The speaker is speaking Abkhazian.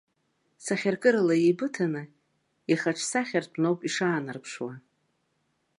Сахьаркырала еибыҭаны, ихаҿсахьартәны ауп ишаанарԥшуа.